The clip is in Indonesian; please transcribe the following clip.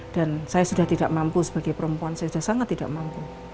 dan saya sudah tidak mampu sebagai perempuan saya sudah sangat tidak mampu